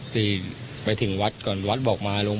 ตอนนี้เลย๑๓คนแล้วก็ยังขอเห็นเอง